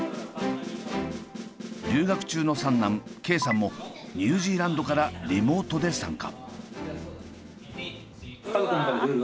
留学中の三男桂さんもニュージーランドからリモートで参加。